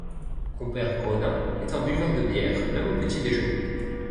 Compère Gredin est un buveur de bière - même au petit-déjeuner.